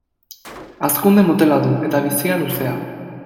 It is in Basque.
Hazkunde motela du, eta bizia luzea.